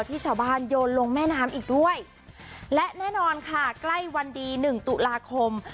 ที่ชาวบ้านโยนลงแม่น้ำอีกด้วยและแน่นอนค่ะใกล้วันดีหนึ่งตุลาคม